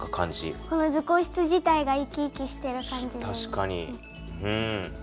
この図工室自体が生き生きしてる感じに見える。